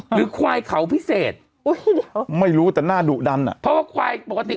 หรือควายเขาพิเศษอุ้ยเดี๋ยวไม่รู้แต่หน้าดุดันอ่ะเพราะว่าควายปกติ